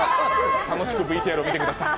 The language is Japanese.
楽しくＶＴＲを見てください。